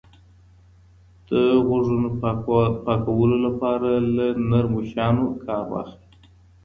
د غوږونو پاکولو لپاره له نرمو شیانو کار واخلئ.